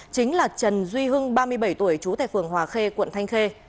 chính là trần duy hưng ba mươi bảy tuổi trú tại phường hòa khê quận thanh khê